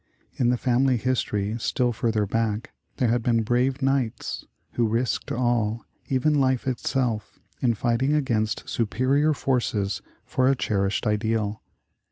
In the family history still further back, there had been brave Knights, who risked all, even life itself, in fighting against superior forces for a cherished ideal.